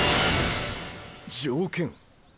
条件？